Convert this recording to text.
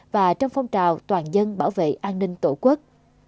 và trong phong trào toàn dân bảo vệ an ninh tổ quốc